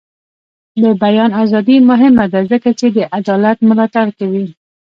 د بیان ازادي مهمه ده ځکه چې د عدالت ملاتړ کوي.